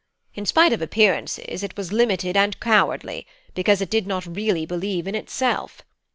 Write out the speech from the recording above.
In spite of appearances, it was limited and cowardly, because it did not really believe in itself.